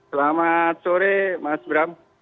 selamat sore mas bram